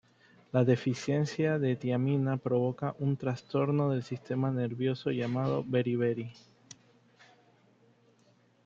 La deficiencia de tiamina provoca un trastorno del sistema nervioso llamada beriberi.